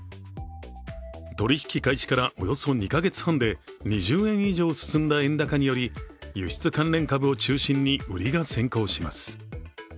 取り引き開始からおよそ２か月半で２０円以上進んだ円高により輸出関連株を中心に売りが先行します。